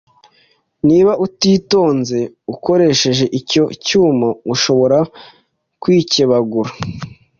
Niba utitonze ukoresheje icyo cyuma, ushobora kwikebagura.